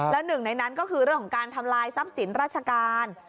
แล้วหนึ่งในนั้นก็คือเรื่องของการทำลายทรัพย์สินราชการ